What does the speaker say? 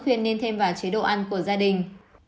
thuyền nên thêm vào chế độ ăn của gia đình